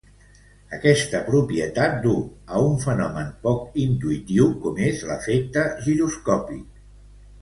Aquesta propietat du a un fenomen poc intuïtiu com és l'efecte giroscòpic.